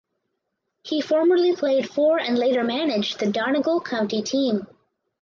He formerly played for and later managed the Donegal county team.